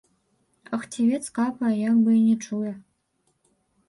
А хцівец капае, як бы і не чуе.